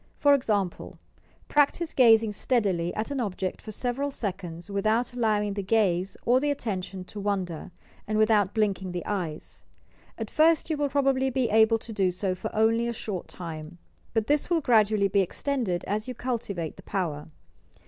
For example: practise gazing steadily at an object for several seconds without allowing the gaze or the attention to wander, and with out blinking the eyes. At first you will probably be able to do so for only a short time ; but this will gradu ally be extended as you cultivate the power.